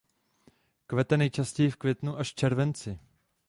Kvete nejčastěji v květnu až v červenci.